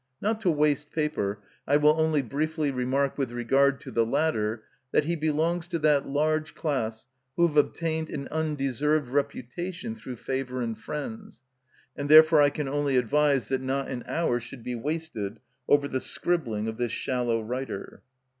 Not to waste paper I will only briefly remark with regard to the latter that he belongs to that large class who have obtained an undeserved reputation through favour and friends, and therefore I can only advise that not an hour should be wasted over the scribbling of this shallow writer.